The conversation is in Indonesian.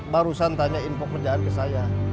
barusan tanya info kerjaan ke saya